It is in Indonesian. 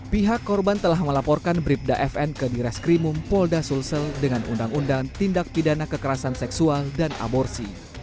pihak korban telah melaporkan bribda fn ke di reskrimum polda sulsel dengan undang undang tindak pidana kekerasan seksual dan aborsi